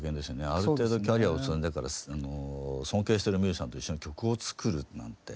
ある程度キャリアを積んでから尊敬してるミュージシャンと一緒に曲を作るなんて。